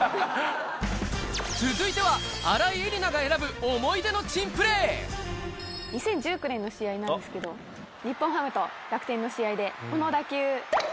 続いては２０１９年の試合なんですけど日本ハムと楽天の試合でこの打球。